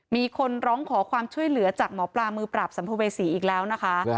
มีคนร้องขอความช่วยเหลือจากหมอปลามือปราบสัมภเวษีอีกแล้วนะคะ